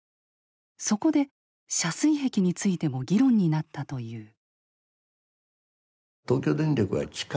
そこで遮水壁についても議論になったという。